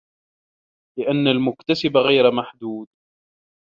لِأَنَّ الْمُكْتَسَبَ غَيْرُ مَحْدُودٍ